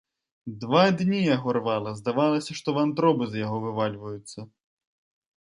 Два дні яго рвала, здавалася, што вантробы з яго вывальваюцца.